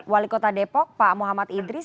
wali kota depok pak muhammad idris